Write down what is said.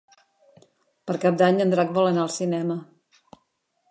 Per Cap d'Any en Drac vol anar al cinema.